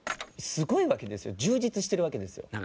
すごいわけですよ充実してるわけですよ。